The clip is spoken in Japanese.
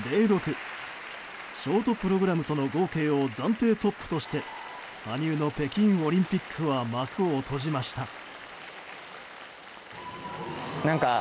ショートプログラムとの合計を暫定トップとして羽生の北京オリンピックは幕を閉じました。